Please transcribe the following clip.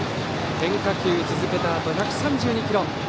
変化球、続けたあと１３２キロ！